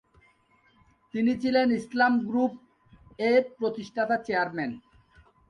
তিনি ছিলেন "ইসলাম গ্রুপ" এর প্রতিষ্ঠাতা-চেয়ারম্যান।